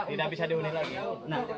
tidak bisa dihuni lagi